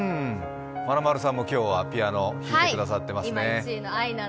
まなまるさんも今日はピアノで弾いてくださっています。